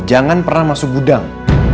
jangan pernah masuk gudang